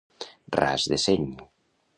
Ras de seny.